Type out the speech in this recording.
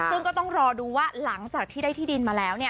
ซึ่งก็ต้องรอดูว่าหลังจากที่ได้ที่ดินมาแล้ว